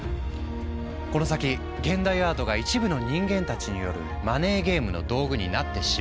この先現代アートが一部の人間たちによるマネーゲームの道具になってしまうのか